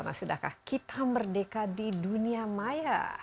masudahkah kita merdeka di dunia maya